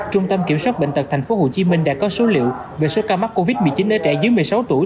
trung tâm kiểm soát bệnh tật tp hcm đã có số liệu về số ca mắc covid một mươi chín ở trẻ dưới một mươi sáu tuổi